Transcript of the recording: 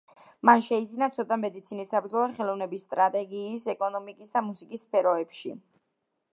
მან შეიძინა ცოდნა მედიცინის, საბრძოლო ხელოვნების, სტრატეგიის, ეკონომიკის და მუსიკის სფეროებში.